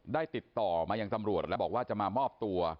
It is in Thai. ได้ติดต่อมายังตำรวจแล้วบอกว่าจะมามอบตัว